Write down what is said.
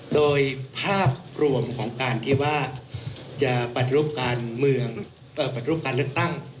โดยภาพรวมของการที่ว่าจะปรับรูปการเลือกตั้ง